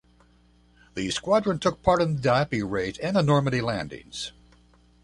The squadron took part in the Dieppe Raid and the Normandy landings.